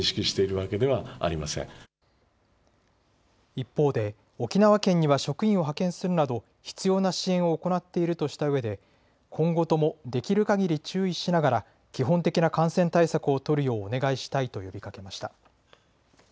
一方で沖縄県には職員を派遣するなど必要な支援を行っているとしたうえで今後ともできるかぎり注意しながら基本的な感染対策を取るようお願いしたいと呼びかけました。